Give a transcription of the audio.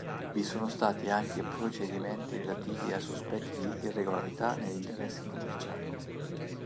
Vi sono stati anche procedimenti relativi a sospetti di irregolarità negli interessi commerciali.